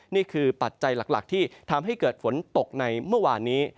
ปัจจัยหลักที่ทำให้เกิดฝนตกในเมื่อวานนี้